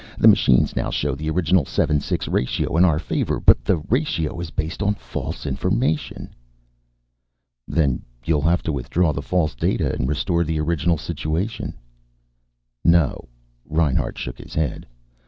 The machines now show the original 7 6 ratio in our favor. But the ratio is based on false information." "Then you'll have to withdraw the false data and restore the original situation." "No." Reinhart shook his head.